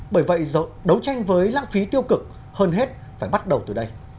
bởi vậy đấu tranh với lãng phí tiêu cực hơn hết phải bắt đầu từ đây